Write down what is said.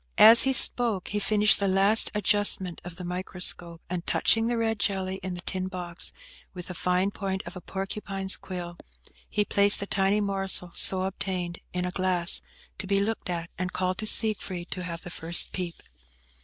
As he spoke he finished the last adjustment of the microscope, and touching the red jelly in the tin box with the fine point of a porcupine's quill, he placed the tiny morsal so obtained in a glass, to be looked at, and called to Siegfried to have the first peep.